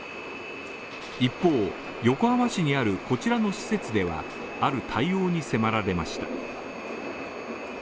一方、横浜市にあるこちらの施設ではある対応に迫られました。